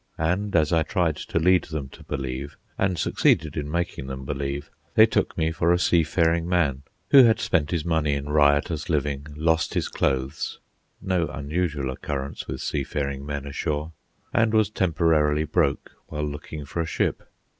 And, as I tried to lead them to believe, and succeeded in making them believe, they took me for a "seafaring man," who had spent his money in riotous living, lost his clothes (no unusual occurrence with seafaring men ashore), and was temporarily broke while looking for a ship.